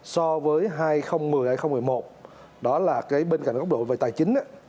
so với hai nghìn một mươi hai nghìn một mươi một đó là bên cạnh góc độ về tài chính